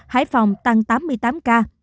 hải phòng tăng tám mươi tám ca